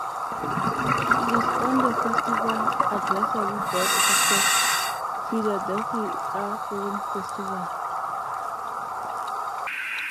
He is on the Festival Advisory Board of the Philadelphia Film Festival.